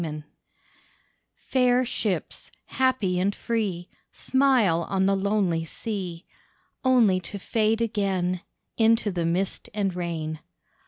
SHIPS Fair ships, happy and free, Smile on the lonely sea, Only to fade again Into the mist and rain.